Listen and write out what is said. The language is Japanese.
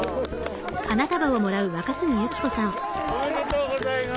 おめでとうございます。